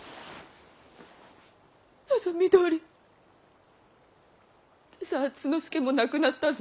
望みどおり今朝敦之助も亡くなったぞ。